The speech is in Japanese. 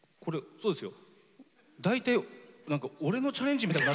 そうですよ。